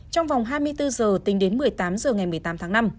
trong vòng hai mươi bốn giờ tính đến một mươi tám h ngày một mươi tám tháng năm